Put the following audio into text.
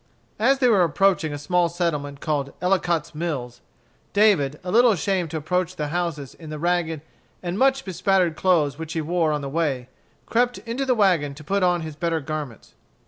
As they were approaching a small settlement called Ellicott's Mills, David, a little ashamed to approach the houses in the ragged and mud bespattered clothes which he wore on the way, crept into the wagon to put on his better garments.